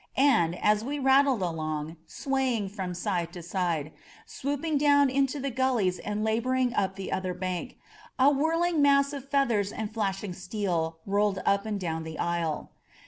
And, as we rattled along, sway ing from side to side, swooping down into the gullies and laboring up the other bank, a whirling mass of feathers and flashing steel rolled up and down the aisle.